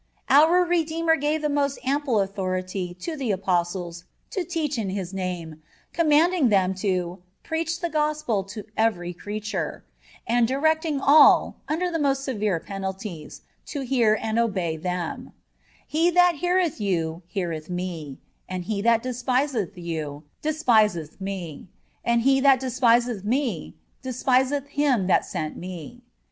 Our Redeemer gave the most ample authority to the Apostles to teach in His name; commanding them to "preach the Gospel to every creature,"(13) and directing all, under the most severe penalties, to hear and obey them: "He that heareth you, heareth Me; and he that despiseth you, despiseth Me. And He that despiseth Me, despiseth Him that sent Me."